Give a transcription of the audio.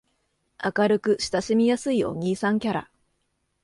明るく親しみやすいお兄さんキャラ